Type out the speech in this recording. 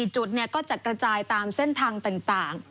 จุดก็จะกระจายตามเส้นทางต่าง